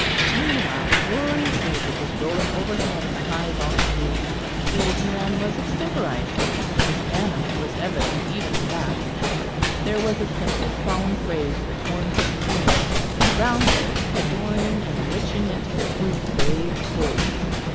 Meanwhile the glorious music was rolling overhead in the high vaulted roof. The old man was extemporising; but his manner was evident even in that; there was a simple solemn phrase that formed his theme, and round this adorning and enriching it moved the grave chords.